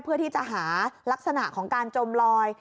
เพื่อที่จะหารักษณะของการจมลอย